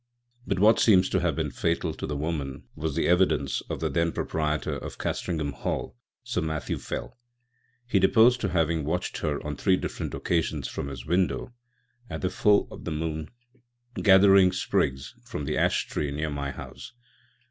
But what seems to have been fatal to the woman was the evidence of the then proprietor of Castringham Hall â€" Sir Matthew Fell. He deposed to having watched her on three different occasions from his window, at the full of the moon, gathering sprigs "from the ash tree near my house."